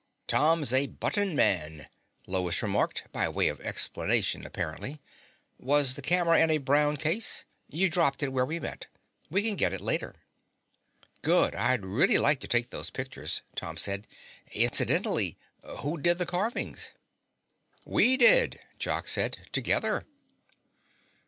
"Tom's a button man," Lois remarked by way of explanation, apparently. "Was the camera in a brown case? You dropped it where we met. We can get it later." "Good, I'd really like to take those pictures," Tom said. "Incidentally, who did the carvings?" "We did," Jock said. "Together."